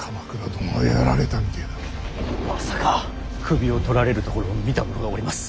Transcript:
首を取られるところを見た者がおります。